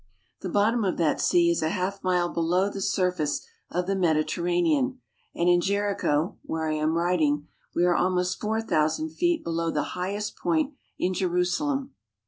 The bottom of that sea is a half mile below the surface of the Mediterannean, and in Jericho, where I am writing, we are almost four thou sand feet below the highest point in Jerusalem.